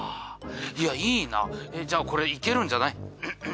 いやいいなえっじゃあこれいけるんじゃない？